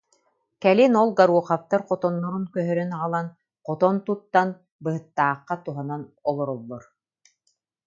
Кэлин ол Гороховтар хотоннорун көһөрөн аҕалан, хотон туттан, Быһыттаахха туһанан олороллор